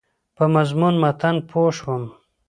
په مضمون متن پوه شوم.